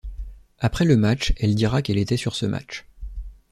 Après le match, elle dira qu'elle était sur ce match.